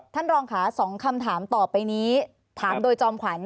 ท่านรองค่ะ๒คำถามต่อไปนี้ถามโดยจอมขวัญ